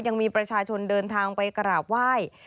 ยังมีประชาชนเดินทางไปกราบไหว้